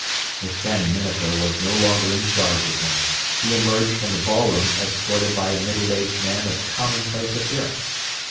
Miss Fanny Minafer was no longer in charge of him: he emerged from the ballroom escorted by a middle aged man of commonplace appearance.